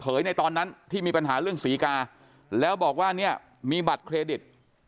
ในตอนนั้นที่มีปัญหาเรื่องศรีกาแล้วบอกว่าเนี่ยมีบัตรเครดิต